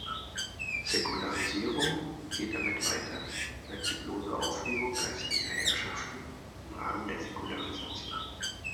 Säkularisierung geht damit weiter als die bloße Aufhebung geistlicher Herrschaften im Rahmen der Säkularisation.